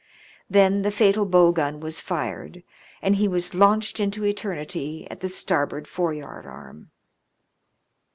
— then the fatal bow gun was fired, and he was launched into eternity at the starboard foreyardarm.